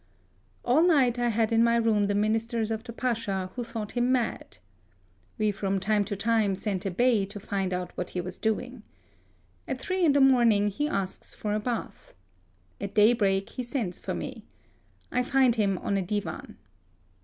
All night I had in my room the ministers of the Pacha, who thought him mad. We from time to time sent a Bey to find out what he was doing. At three in the morn ing he asks for a bath. At daybreak he sends for me. I find him on a divan.